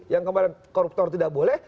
yang kemarin koruptor tidak boleh